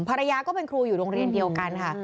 ภรรยาก็เป็นครูอยู่โรงเรียนเดียวกันค่ะ